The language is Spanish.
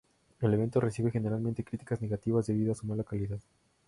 El evento recibió generalmente críticas negativas debido a su mala calidad.